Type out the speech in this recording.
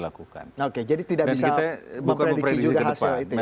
oke jadi tidak bisa memprediksi juga hasil itu ya